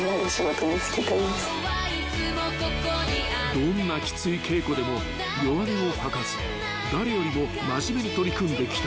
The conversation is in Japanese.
［どんなきつい稽古でも弱音を吐かず誰よりも真面目に取り組んできた］